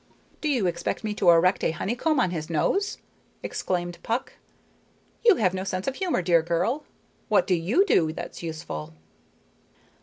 "Do you expect me to erect a honeycomb on his nose?" exclaimed Puck. "You have no sense of humor, dear girl. What do you do that's useful?"